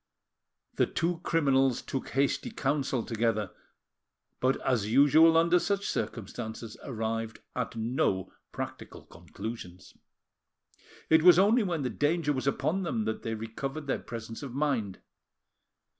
The two criminals took hasty counsel together, but, as usual under such circumstances, arrived at no practical conclusions. It was only when the danger was upon them that they recovered their presence of mind.